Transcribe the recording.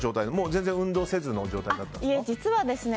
全然運動せずの状態だったんですか？